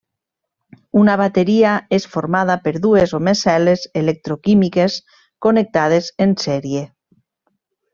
Una bateria és formada per dues o més cel·les electroquímiques connectades en sèrie.